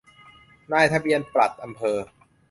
นายทะเบียนปลัดอำเภอ